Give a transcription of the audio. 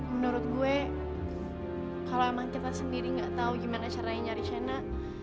menurut gue kalo emang kita sendiri gak tau gimana caranya nyari sena